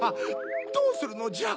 どうするのじゃ？